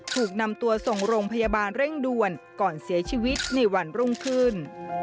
ถูกนำตัวส่งโรงพยาบาลเร่งด่วนก่อนเสียชีวิตในวันรุ่งขึ้น